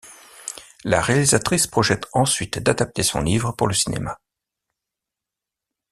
La réalisatrice projette ensuite d'adapter son livre pour le cinéma.